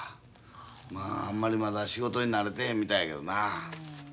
まああんまりまだ仕事に慣れてへんみたいやけどな。